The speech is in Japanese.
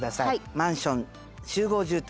マンション集合住宅。